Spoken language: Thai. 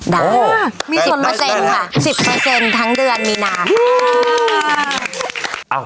ได้โอ้มีส่วนมากกว่าสิบเปอร์เซ็นต์ทั้งเดือนมีนานอ่า